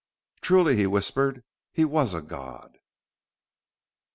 "Truly," he whispered, "he was a god!..."